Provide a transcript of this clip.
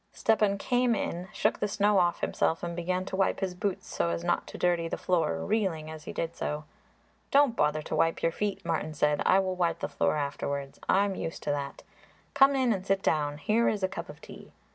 Stepan came in, shook the snow off himself and began to wipe his boots so as not to dirty the floor, reeling as he did so. "Don't bother to wipe your feet," Martin said; "I will wipe the floor afterwards; I am used to that. Come in and sit down. Here is a cup of tea."